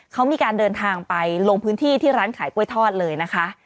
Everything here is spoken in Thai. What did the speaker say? เขามีการเดินทางไปลงพื้นที่ที่ร้านขายกล้วยทอดเลยนะคะ